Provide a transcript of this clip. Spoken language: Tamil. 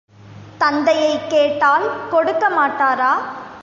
தந்தையைக் கேட்டால் கொடுக்க மாட்டாரா?